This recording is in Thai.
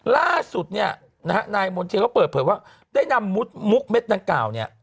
ล่าสุดเนี่ยนายบนเชียวเขาเปิดเผยว่าได้นำมุกเม็ดนั้นเก่าเนี่ย